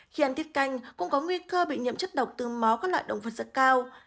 khi ăn tiết canh cũng có nguy cơ bị nhiễm chất độc từ máu các loại động vật rất cao